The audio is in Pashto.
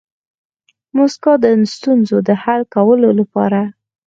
موسکا د ستونزو د حل کولو لپاره